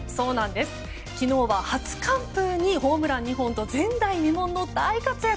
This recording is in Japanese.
昨日は初完封にホームラン２本と前代未聞の大活躍。